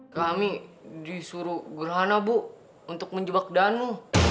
kami disuruh gerhana bu untuk menjebak danu